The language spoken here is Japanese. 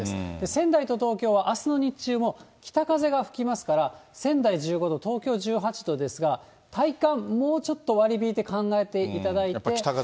仙台と東京はあすの日中も北風が吹きますから、仙台１５度、東京１８度ですが、体感、もうちょっと割り引いて考えていただいて。